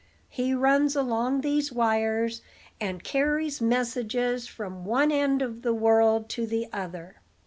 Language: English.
He runs along those wires, and carries messages from one end of the world to the other.